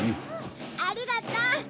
ありがとう。